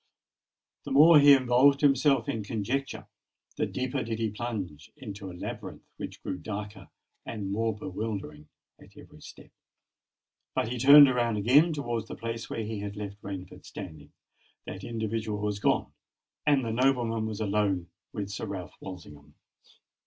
The more he involved himself in conjecture, the deeper did he plunge into a labyrinth which grew darker and more bewildering at every step. When he turned round again towards the place where he had left Rainford standing, that individual was gone; and the noblemen was alone with Sir Ralph Walsingham.